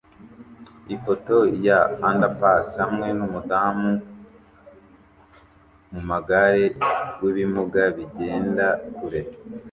Ifoto ya underpass hamwe numudamu mumugare wibimuga bigenda kure